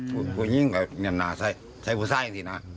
ผู้หญิงผู้หญิงผู้หญิงผู้หญิงผู้หญิงผู้หญิงผู้หญิง